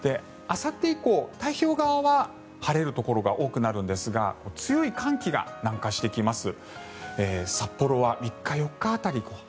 あさって以降、太平洋側は晴れるところが多くなるんですが強い寒気が南下してきます。